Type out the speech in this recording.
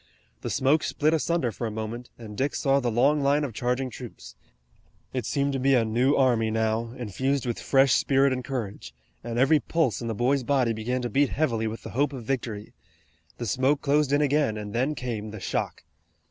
The smoke split asunder for a moment, and Dick saw the long line of charging troops. It seemed to be a new army now, infused with fresh spirit and courage, and every pulse in the boy's body began to beat heavily with the hope of victory. The smoke closed in again and then came the shock.